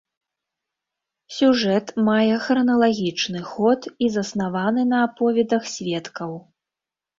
Сюжэт мае храналагічны ход і заснаваны на аповедах сведкаў.